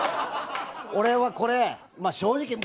俺はこれまあ正直。